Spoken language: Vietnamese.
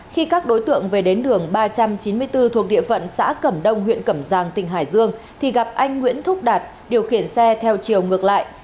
khi các đối tượng về đến đường ba trăm chín mươi bốn thuộc địa phận xã cẩm đông huyện cẩm giang tỉnh hải dương thì gặp anh nguyễn thúc đạt điều khiển xe theo chiều ngược lại